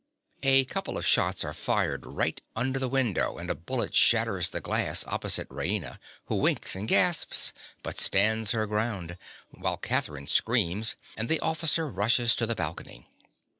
A couple of shots are fired right under the window, and a bullet shatters the glass opposite Raina, who winks and gasps, but stands her ground, whilst Catherine screams, and the officer rushes to the balcony.